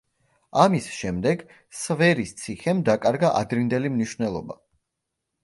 ამის შემდეგ სვერის ციხემ დაკარგა ადრინდელი მნიშვნელობა.